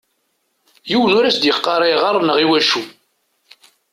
Yiwen ur as-d-yeqqar ayɣer neɣ iwacu.